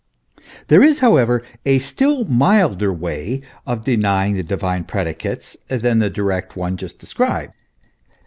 There is, however, a still milder way of denying the Divine predicates than the direct one just described.